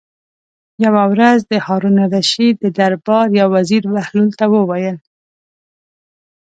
یوه ورځ د هارون الرشید د دربار یو وزیر بهلول ته وویل.